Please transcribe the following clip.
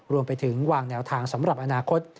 รวมไปถึงวางแนวทางสำหรับอนาคต